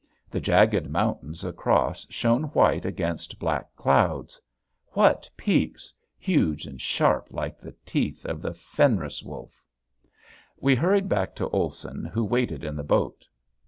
The jagged mountains across shone white against black clouds, what peaks! huge and sharp like the teeth of the Fenris Wolf. We hurried back to Olson who waited in the boat.